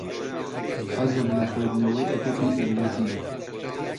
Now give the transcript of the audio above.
حەزم لە خوێندنەوەی ئەدەبی ئینگلیزییە.